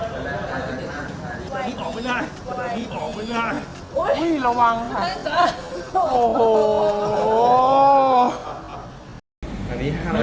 ระวังค่ะ